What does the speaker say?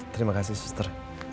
terima kasih suster